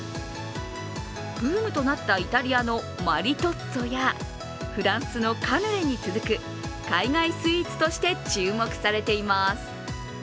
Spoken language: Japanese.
ブームとなったイタリアのマリトッツォやフランスのカヌレに続く海外スイーツとして注目されています。